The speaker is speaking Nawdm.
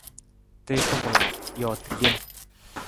Tiita wala, joota lem.